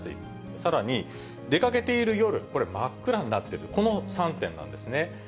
さらに出かけている夜、これ、真っ暗になってる、この３点なんですね。